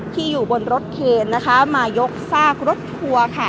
อยู่บนรถเคนนะคะมายกซากรถทัวร์ค่ะ